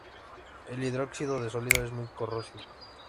El hidróxido de sodio es muy corrosivo.